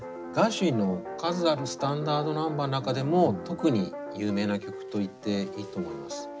ガーシュウィンの数あるスタンダードナンバーの中でも特に有名な曲と言っていいと思います。